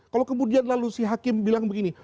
kalau kemudian lalu si hakim bilang begini